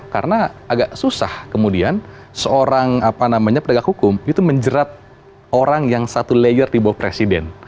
karena agak susah kemudian seorang pendagang hukum itu menjerat orang yang satu layer dibawa presiden